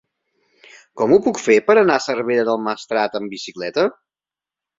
Com ho puc fer per anar a Cervera del Maestrat amb bicicleta?